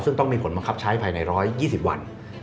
ซึ่งต้องมีผลบังคับใช้ภายใน๑๒๐วัน